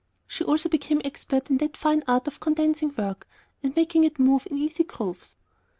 She also became expert in that other fine art of condensing work, and making it move in easy grooves.